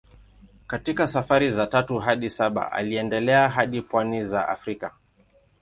Katika safari za tatu hadi saba aliendelea hadi pwani za Afrika.